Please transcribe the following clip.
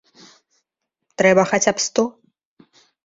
Трэба хаця б сто.